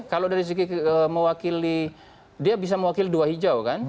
kalau dari segi mewakili dia bisa mewakili dua hijau kan